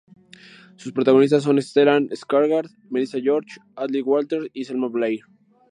Sus protagonistas son Stellan Skarsgård, Melissa George, Ashley Walters, y Selma Blair.